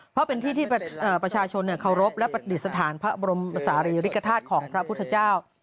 เพราะเป็นที่ที่ประชาชนเคารพและประดิษฐานพระบรมศาลีริกฐาตุของพระพุทธเจ้า